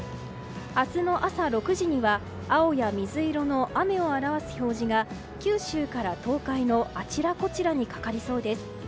明日の朝６時には青や水色の雨を表す表示が九州から東海のあちらこちらにかかりそうです。